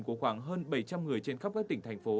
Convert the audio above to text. của khoảng hơn bảy trăm linh người trên khắp các tỉnh thành phố